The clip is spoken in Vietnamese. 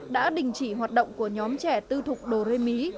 đã đình chỉ hoạt động của nhóm trẻ tư thục đồ rơi mỉ